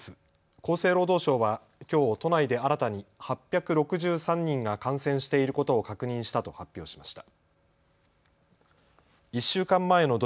厚生労働省はきょう都内で新たに８６３人が感染していることを確認したと発表しました。